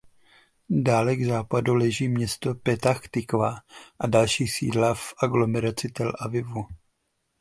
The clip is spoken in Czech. Dále k západu leží město Petach Tikva a další sídla v aglomeraci Tel Avivu.